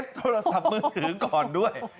โทรศัพท์มือถือก่อนด้วย